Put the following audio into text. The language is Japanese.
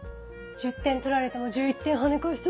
１０点取られても１１点はね返せって。